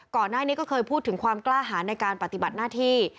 ก่อนหน้านี้ก็เคยพูดถึงความกล้าหารในการปฏิบัติหน้าที่